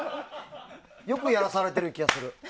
よくやらされてる気がする。